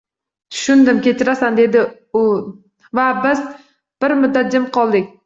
Tushundim. Kechirasan, – dedi u va biz bir muddat jim qoldik.